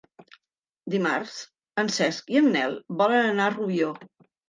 Dimarts en Cesc i en Nel volen anar a Rubió.